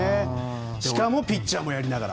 しかもピッチャーもやりながら。